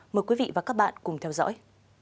mời quý vị và các bạn cùng theo dõi